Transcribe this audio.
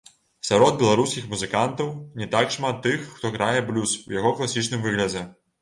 Сярод беларускіх музыкантаў не так шмат тых, хто грае блюз у яго класічным выглядзе.